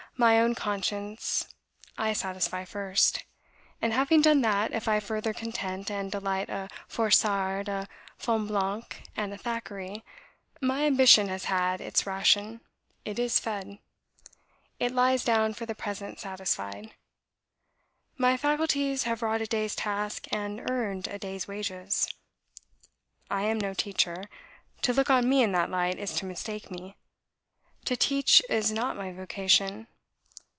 My own conscience I satisfy first; and having done that, if I further content and delight a Forsarde, a Fonblanque, and a Thackeray, my ambition has had its ration, it is fed; it lies down for the present satisfied; my faculties have wrought a day's task, and earned a day's wages. I am no teacher; to look on me in that light is to mistake me. To teach is not my vocation.